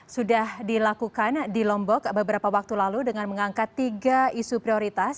sudah dilakukan di lombok beberapa waktu lalu dengan mengangkat tiga isu prioritas